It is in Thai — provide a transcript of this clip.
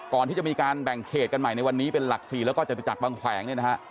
ก่อนที่จะมีการแบ่งเขตกันใหม่ในวันนี้เป็นหลักศรีและก็จะตเพียง